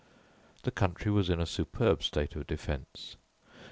The country was in a superb state of defence.